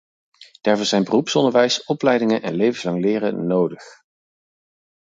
Daarvoor zijn beroepsonderwijs, opleidingen en levenslang leren nodig.